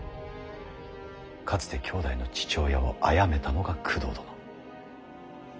かつて兄弟の父親をあやめたのが工藤殿。